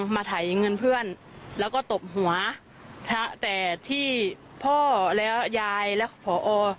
มาถ่ายเงินเพื่อนแล้วก็ตบหัวแต่ที่พ่อแล้วยายแล้วขอโทษ